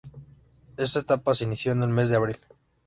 Esta etapa se inició en el mes de abril.